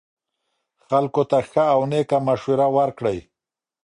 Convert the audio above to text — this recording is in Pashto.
خلکو ته ښه او نیکه مشوره ورکړئ.